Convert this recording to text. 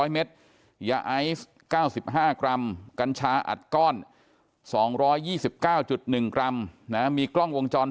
๐เมตรยาไอซ์๙๕กรัมกัญชาอัดก้อน๒๒๙๑กรัมมีกล้องวงจร